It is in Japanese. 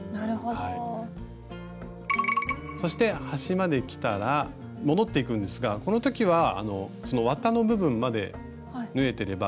そして端まできたら戻っていくんですがこの時は綿の部分まで縫えてれば裏に出なくても大丈夫です。